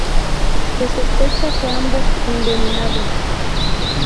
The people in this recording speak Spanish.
Se sospecha que ambos envenenados.